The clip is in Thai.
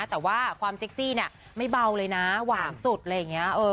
แต่ว่าความเซ็กซี่เนี่ยไม่เบาเลยนะหวานสุดอะไรอย่างนี้